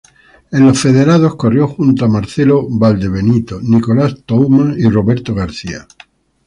En los federados corrió junto a Marcelo Valdebenito, Nicolás Touma y Roberto García.